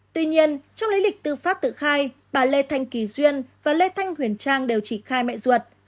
tuy nhiên trong lý lịch tư pháp tự khai bà lê thanh kỳ duyên và lê thanh huyền trang đều chỉ khai mẹ ruột